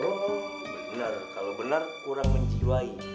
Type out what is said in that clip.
oh bener kalau bener kurang menjiwai